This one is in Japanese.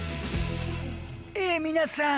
え皆さん